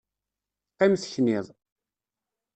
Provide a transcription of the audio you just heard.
Qqim tekniḍ!